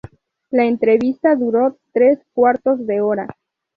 La entrevista duró tres cuartos de hora.